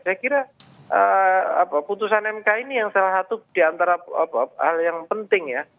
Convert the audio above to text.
saya kira putusan mk ini yang salah satu diantara hal yang penting ya